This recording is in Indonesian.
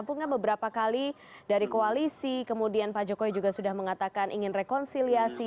karena beberapa kali dari koalisi kemudian pak jokowi juga sudah mengatakan ingin rekonsiliasi